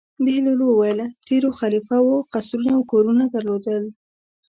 بهلول وویل: تېرو خلیفه وو قصرونه او کورونه درلودل.